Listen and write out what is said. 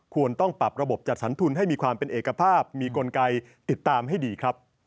ควรต้องปรับระบบจัดสรรทุนให้มีความเป็นเอกภาพมีกลไกติดตามให้ดีครับ